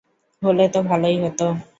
হলে তো ভালোই হতো।